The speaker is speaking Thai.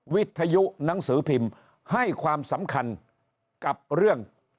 วิทยุหนังสือพิมพ์ให้ความสำคัญกับเรื่อง